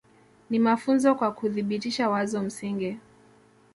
Ni mafunzo kwa kuthibitisha wazo msingi